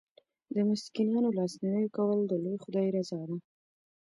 د مسکینانو لاسنیوی کول د لوی خدای رضا ده.